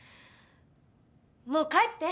もう帰って。